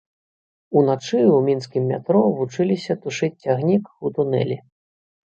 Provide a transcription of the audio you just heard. Уначы ў мінскім метро вучыліся тушыць цягнік у тунэлі.